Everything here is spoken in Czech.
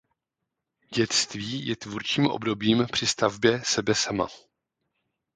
Dětství je tvůrčím obdobím při stavbě „sebe sama“.